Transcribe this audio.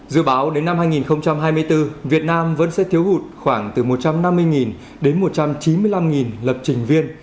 dự báo đến năm hai nghìn hai mươi bốn việt nam vẫn sẽ thiếu hụt khoảng từ một trăm năm mươi đến một trăm chín mươi năm lập trình viên